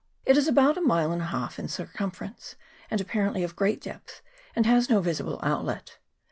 It is about a mile and a half in circumference, and apparently of great depth, and has no visible outlet.